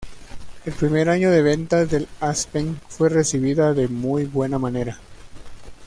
El primer año de ventas del Aspen fue recibida de muy buena manera.